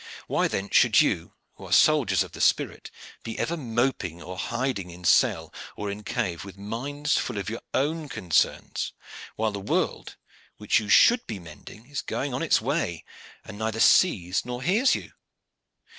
Why then should you, who are soldiers of the Spirit, be ever moping or hiding in cell or in cave, with minds full of your own concerns, while the world, which you should be mending, is going on its way, and neither sees nor hears you?